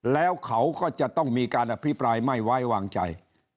แล้วเขาก็จะต้องมีการอภิปรายไม่ไว้วางใจ